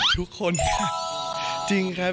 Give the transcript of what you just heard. ทุกคนค่ะ